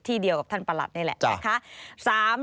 เดียวกับท่านประหลัดนี่แหละนะคะ